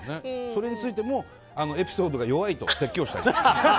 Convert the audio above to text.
それについてもエピソードが弱いと説教したい。